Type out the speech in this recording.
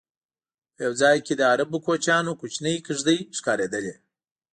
په یو ځای کې د عربو کوچیانو کوچنۍ کېږدی ښکارېدلې.